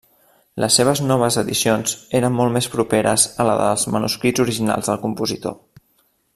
Les seves noves edicions eren molt més properes a les dels manuscrits originals del compositor.